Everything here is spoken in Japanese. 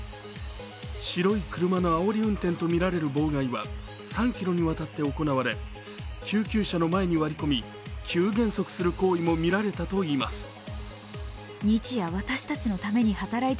白い車のあおり運転とみられる望外は３ｋｍに渡って行われ救急車の前に割り込み急減速する行為もみられたということです。